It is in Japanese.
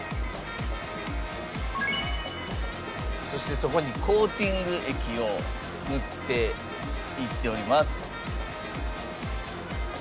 そしてそこにコーティング液を塗っていっております。